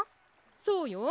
そうよ。